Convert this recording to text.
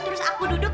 terus aku duduk